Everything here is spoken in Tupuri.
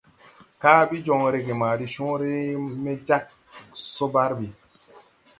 Kaa ɓi joŋ reege ma de cõõre me jāg so barɓi.